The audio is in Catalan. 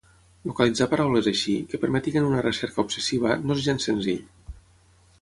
Localitzar paraules així, que permetin una recerca obsessiva, no és gens senzill.